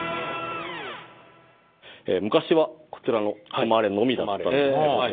昔はこちらの「止まれ」のみだったんですけども。